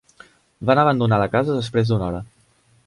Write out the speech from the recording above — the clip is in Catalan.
Van abandonar la casa després d'una hora.